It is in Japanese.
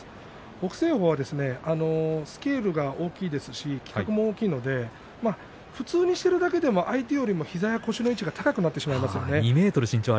北青鵬はスケールが大きいし普通にしているだけでも相手より膝や腰の位置が高くなってしまいますね。